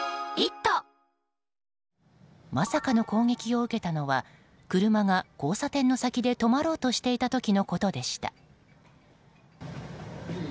まさかの攻撃を受けたのは車が交差点の先で止まろうとしていた時のことでした。